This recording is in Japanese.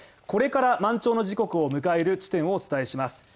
これから、満潮の時刻を迎える地点をお伝えします。